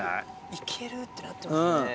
行ける！ってなってますね。